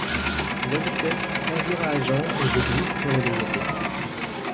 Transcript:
Voies de fait, injures à agent, et je glisse sur l’ébriété.